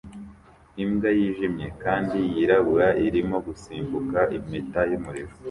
Imbwa yijimye kandi yirabura irimo gusimbuka impeta yumuriro